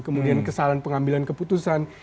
kemudian kesalahan pengambilan keputusan